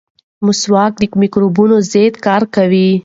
مسواک د مکروبونو ضد کار کوي.